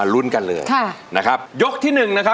ลองให้ลองให้ลองให้